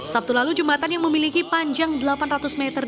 sabtu lalu jembatan yang memiliki panjang delapan ratus meter